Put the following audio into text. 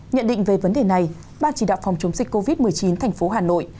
nhận định về vấn đề này ban chỉ đạo phòng chống dịch covid một mươi chín tp hà nội